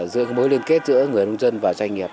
giữa mối liên kết giữa người nông dân và doanh nghiệp